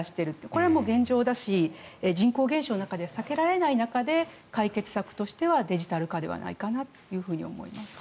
これはもう現状だし人口減少の中では避けられない中で解決策としてはデジタル化ではないかなと思います。